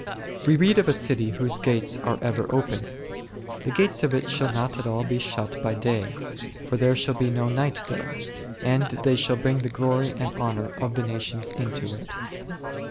We read of a city whose gates are ever open ; The gates of it shall not at all be shut by day, for there shall be no night there ; and they shall bring the glory and honour of the nations into it s